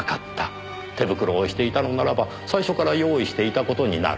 手袋をしていたのならば最初から用意していた事になる。